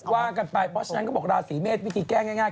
ว่ากันไปฉะนั้นก็บอกว่าราศีเมษวิธีแก้ง่าย